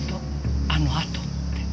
あのあとって。